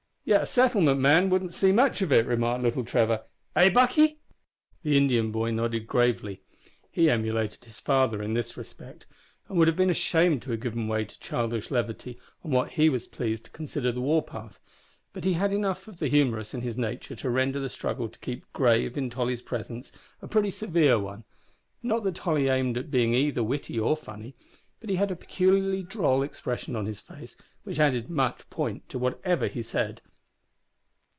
"Yet a settlement man wouldn't see much of it," remarked little Trevor; "eh! Buckie?" The Indian boy nodded gravely. He emulated his father in this respect, and would have been ashamed to have given way to childish levity on what he was pleased to consider the war path, but he had enough of the humorous in his nature to render the struggle to keep grave in Tolly's presence a pretty severe one. Not that Tolly aimed at being either witty or funny, but he had a peculiarly droll expression of face, which added much point to whatever he said.